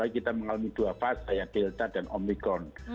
kita mengalami dua fase ya delta dan omikron